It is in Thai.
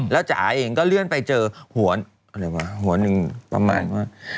แล้วจ๋าเองก็เลื่อนไปเจอหัวหนึ่งประมาณว่า